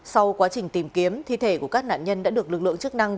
sau quá trình tìm kiếm thi thể của các nạn nhân đã được lực lượng chức năng